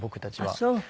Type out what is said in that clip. あっそう。